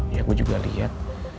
ya gue juga liat